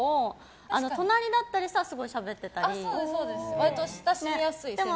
割と親しみやすい先輩。